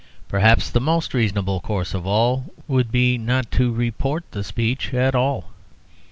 Perhaps the most reasonable course of all would be not to report the speech at all.